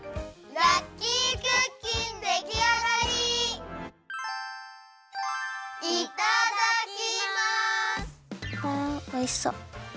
わあおいしそう。